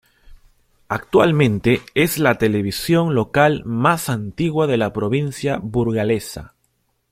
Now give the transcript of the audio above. Actualmente es la televisión local más antigua de la provincia burgalesa.